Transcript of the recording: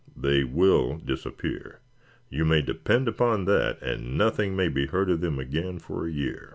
They will disappear. You may depend upon that, and nothing may be heard of them again for a year."